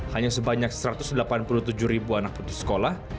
hanya sebanyak satu ratus delapan puluh tujuh ribu anak putus sekolah